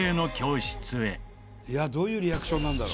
いやどういうリアクションなんだろう？